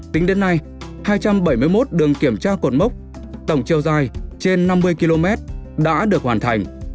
tính đến nay hai trăm bảy mươi một đường kiểm tra cột mốc tổng chiều dài trên năm mươi km đã được hoàn thành